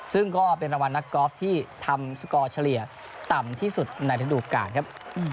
ซึ่งก็เป็นรางวัลนักกอล์ฟที่ทำสกอร์เฉลี่ยต่ำที่สุดในระดูการครับ